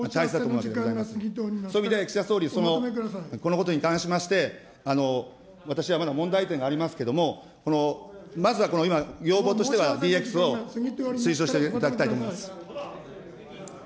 このことに関しましては、私はまだ問題点がありますけれども、まずは今、要望としてはＤＸを推奨していただきたいと思います。